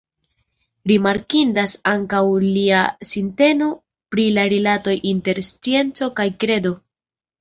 Rimarkindas ankaŭ lia sinteno pri la rilatoj inter scienco kaj kredo.